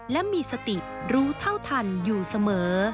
และมีสติรู้เท่าทันอยู่เสมอ